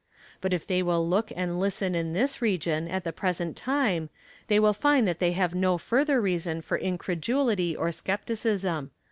But if they will look and listen in this region, at the present time, they will find that they have no further reason for incredulity or scepticism.